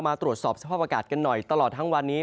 ตรวจสอบสภาพอากาศกันหน่อยตลอดทั้งวันนี้